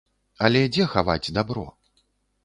Але дзе хаваць дабро?